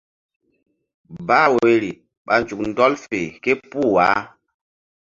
Bah woyri ɓa nzuk ɗɔl fe képuh wah.